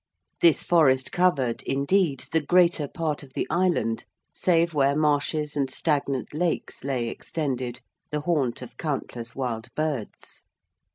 This forest covered, indeed, the greater part of the island, save where marshes and stagnant lakes lay extended, the haunt of countless wild birds.